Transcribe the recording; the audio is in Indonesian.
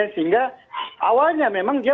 sehingga awalnya memang dia